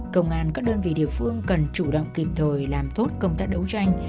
công an các đơn vị địa phương cần chủ động kịp thời làm tốt công tác đấu tranh